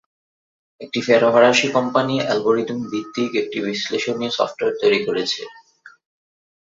একটি ফরাসি company algorithm ভিত্তিক একটি বিশ্লেষণী সফটওয়্যার তৈরি করেছে।